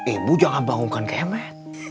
ibu jangan bangunkan kemet